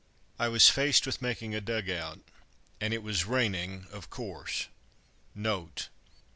I was faced with making a dug out, and it was raining, of course. (_Note.